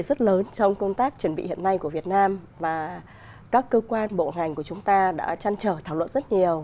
rất lớn trong công tác chuẩn bị hiện nay của việt nam và các cơ quan bộ ngành của chúng ta đã chăn trở thảo luận rất nhiều